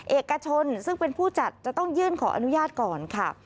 เอกชนซึ่งเป็นผู้จัดจะต้องยื่นขออนุญาตก่อนค่ะ